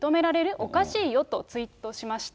おかしいよと、ツイートしました。